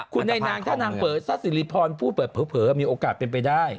คุณแดงนางถ้านางเผลอสัตว์สิริพรผู้เผลอมีโอกาสเป็นไปได้